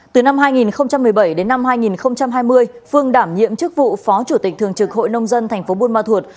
từ năm hai nghìn một mươi bảy đến năm hai nghìn hai mươi phương đảm nhiệm chức vụ phó chủ tịch thường trực hội nông dân thành phố buôn ma thuột